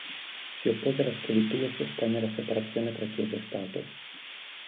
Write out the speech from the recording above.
Si oppose alla schiavitù e sostenne la separazione tra Chiesa e Stato.